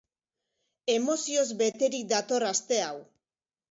Emozioz beterik dator aste hau.